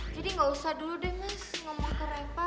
jadi gak usah dulu deh mas ngomong ke reva